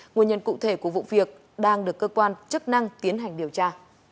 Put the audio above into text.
nguyên nhân cụ thể của vụ việc đang được cơ quan chức năng tiến hành điều tra